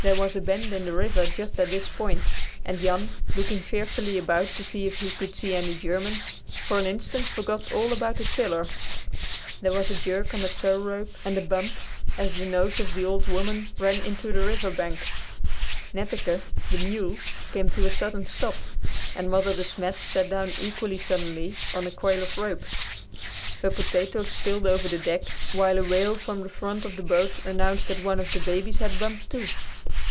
There was a bend in the river just at this point, and Jan, looking fearfully about to see if he could see any Germans, for an instant forgot all about the tiller. There was a jerk on the tow rope and a bump as the nose of the "Old Woman" ran into the river bank. Netteke, the mule, came to a sudden stop, and Mother De Smet sat down equally suddenly on a coil of rope. Her potatoes spilled over the deck, while a wail from the front of the boat announced that one of the babies had bumped, too.